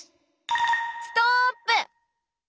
ストップ。